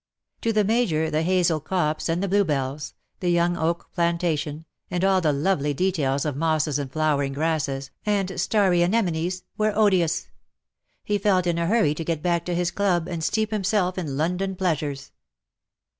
To the Major the hazel copse and the bluebells — the young oak plantation — and all the lovely details of mosses and flowering grasses, and starry anemones — were odious. He felt in a hurry to get back to his club, and steep himself in London pleasures.